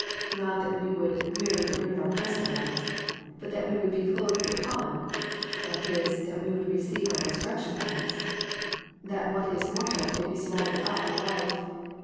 not that we would merely get rid of our present bodies), +but that we would be clothed upon+ (i.e., that we would receive our resurrection bodies) +that what is mortal may be swallowed up of life.